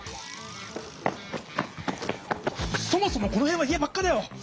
そもそもこのへんは家ばっかだよ！